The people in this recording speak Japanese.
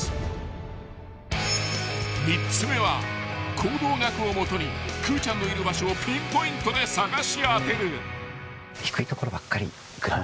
［３つ目は行動学を基にくーちゃんのいる場所をピンポイントで捜し当てる］